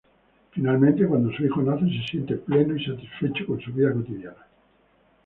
Finalmente, cuando su hijo nace, se siente pleno y satisfecho con su vida cotidiana.